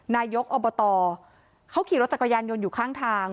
นายกอบตเขาขี่รถจักรยานยนต์อยู่ข้างทาง